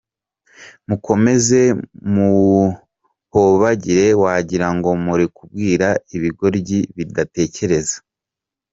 Mukomeze muhobagire wagirango murikubwira ibigoryi bidatekereza.